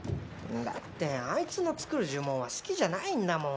だってあいつの作る呪文は好きじゃないんだもん。